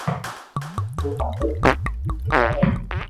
تو ماري ديڪري ھي